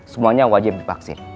semuanya wajib divaksin